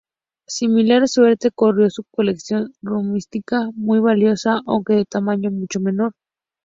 Similar suerte corrió su colección numismática, muy valiosa aunque de tamaño mucho menor.